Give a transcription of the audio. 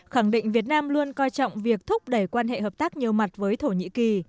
khẳng định việt nam luôn coi trọng việc thúc đẩy quan hệ hợp tác nhiều mặt với thổ nhĩ kỳ